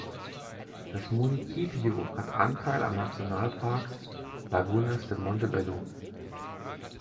Das Municipio hat Anteil am Nationalpark Lagunas de Montebello.